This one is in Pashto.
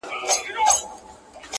ډېوه پر لګېدو ده څوک به ځی څوک به راځي٫